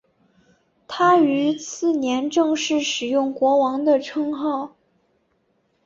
他于次年正式使用国王的称号。